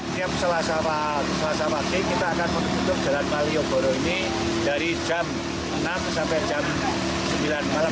setiap selasa pagi kita akan menutup jalan malioboro ini dari jam enam sampai jam sembilan malam